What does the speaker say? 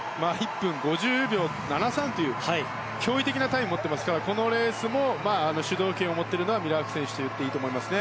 １分５０秒７３という驚異的なタイムを持っていますから、このレースも主導権を持っているのはミラーク選手といっていいと思います。